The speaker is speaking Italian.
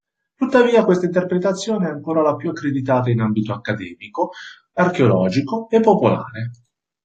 Tuttavia questa interpretazione è ancora la più accreditata in ambito accademico, archeologico e popolare.